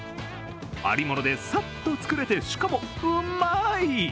ありものでさっと作れてしかも、うまい。